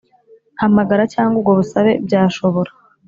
hamagara cyangwa ubwo busabe byashobora